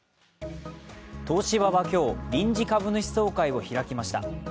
東芝は今日、臨時株主総会を開きました。